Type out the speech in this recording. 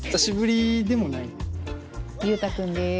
悠太君です。